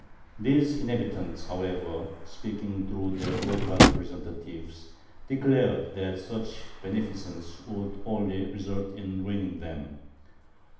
These inhabitants, however, speaking through their local representatives, declared that such "beneficence" would only result in ruining them.